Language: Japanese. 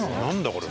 これ。